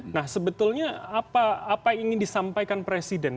nah sebetulnya apa yang ingin disampaikan presiden